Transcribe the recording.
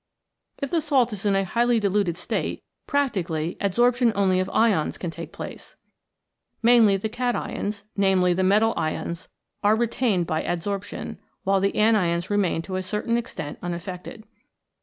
If the salt is in a highly diluted state practically adsorption only of ions can take place. Mainly the cations, viz. the metal ions, are re tained by adsorption, while the anions remain to a certain extent unaffected.